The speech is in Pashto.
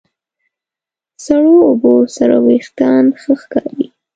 سړو اوبو سره وېښتيان ښه ښکاري.